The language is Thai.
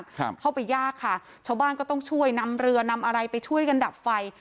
เข้าไปยากค่ะชาวบ้านก็ต้องช่วยนำเรือนำอะไรไปช่วยกันดับไฟ